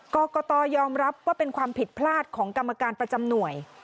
กรกตยอมรับว่าเป็นความผิดพลาดของกรรมการประจำหน่วย